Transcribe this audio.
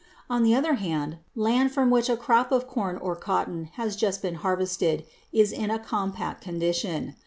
On the other hand, land from which a crop of corn or cotton has just been harvested is in a compact condition.